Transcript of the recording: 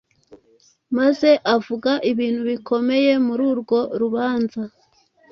maze avuga ibintu bikomeye muri urwo rubanza,